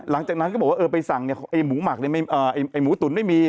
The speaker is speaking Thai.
หลังจากนั้นก็บอกว่าเออไปสั่งเนี่ยไอ้หมูหมักเนี่ยไอ้หมูตุ๋นไม่มี